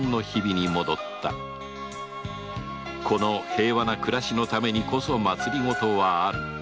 この平和な暮らしのためにこそ政はある